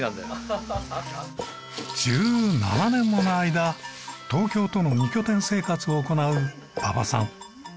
１７年もの間東京との二拠点生活を行う馬場さん。